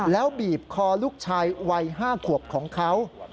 แล้วบีบคอลูกชายวัย๕ขวบของเขา